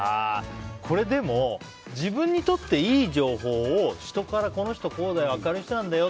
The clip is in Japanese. これ、でも自分にとっていい情報を人から、この人こうなんだよ